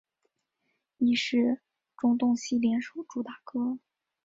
亦是庄冬昕联手主打歌。